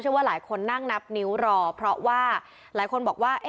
ว่าหลายคนนั่งนับนิ้วรอเพราะว่าหลายคนบอกว่า